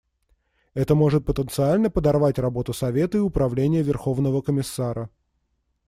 Это может потенциально подорвать работу Совета и Управления Верховного комиссара.